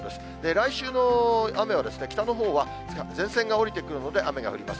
来週の雨は北のほうは前線が下りてくるので雨が降ります。